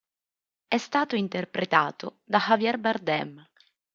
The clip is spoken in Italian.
È stato interpretato da Javier Bardem.